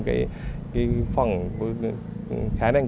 cái phần khả năng